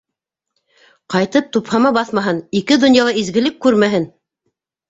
Ҡайтып тупһама баҫмаһын, ике донъяла изгелек күрмәһен.